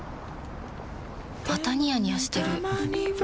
またニヤニヤしてるふふ。